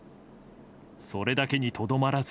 それだけにとどまらず。